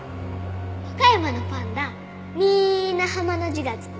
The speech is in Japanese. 和歌山のパンダみんな「浜」の字が付くの。